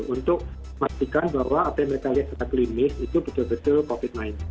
untuk memastikan bahwa apa yang mereka lihat secara klinis itu betul betul covid sembilan belas